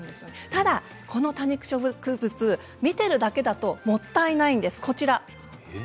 ただ、この多肉植物見ているだけだともったいないんです。